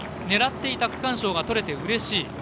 狙っていた区間賞が取れてうれしい。